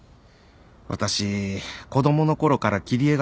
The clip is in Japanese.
私子供のころから切り絵が趣味で。